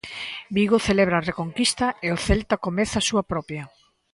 Vigo celebra a Reconquista e o Celta comeza a súa propia.